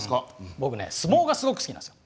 僕ね相撲がすごく好きなんですよ。